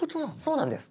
そうなんです。